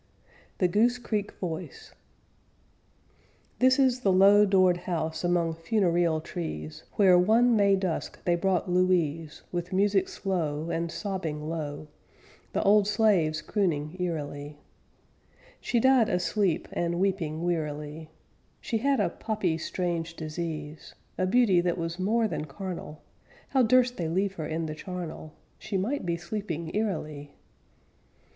THE GOOSE CREEK VOICE This is the low doored house among funereal trees, Where one May dusk they brought Louise, With music slow, And sobbing low, The old slaves crooning eerily. She died asleep and weeping wearily. She had a poppy strange disease; A beauty that was more than carnal, How durst they leave her in the charnel? She might be sleeping eerily!